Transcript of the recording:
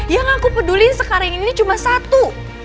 yang aku peduli sekarang ini cuma satu